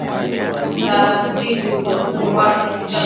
Taratibbu za kufuata kupika pilau la viazi lishe